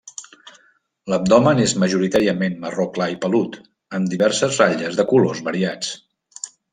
L'abdomen és majoritàriament marró clar i pelut, amb diverses ratlles de colors variats.